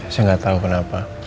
saya gak tau kenapa